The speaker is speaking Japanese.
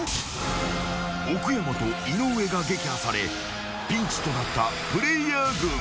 ［奥山と井上が撃破されピンチとなったプレイヤー軍］